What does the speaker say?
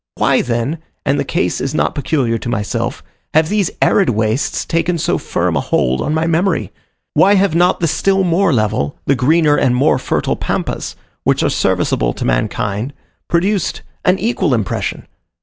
Why, then, and the case is not peculiar to myself, have these arid wastes taken so firm a hold on my memory? Why have not the still more level, the greener and more fertile Pampas, which are serviceable to mankind, produced an equal impression?